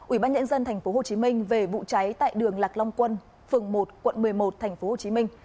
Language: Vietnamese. ủy ban nhân dân tp hcm về vụ cháy tại đường lạc long quân phường một quận một mươi một tp hcm